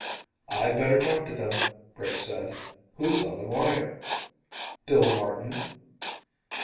"I'd better talk to them," Rick said. "Who's on the wire?" "Bill Martin."